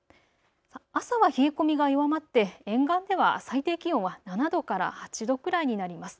朝は冷え込みが弱まって沿岸では最低気温は７度から８度くらいになります。